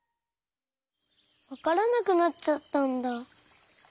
わからなくなっちゃったんだ。